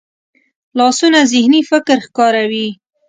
لاسونه ذهني فکر ښکاروي